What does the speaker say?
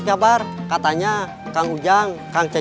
pada cang keup apple